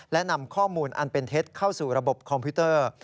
และนำข้อมูลอันเป็นเท็จเข้าสู่ระบบคอมพิวเตอร์